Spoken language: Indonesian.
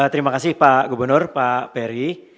terima kasih pak gubernur pak peri